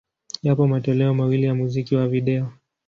Yapo matoleo mawili ya muziki wa video.